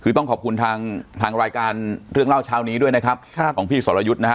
คือต้องขอบคุณทางรายการเรื่องเล่าเช้านี้ด้วยนะครับของพี่สรยุทธ์นะฮะ